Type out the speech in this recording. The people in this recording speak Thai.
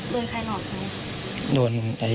โดนใครรอกชัย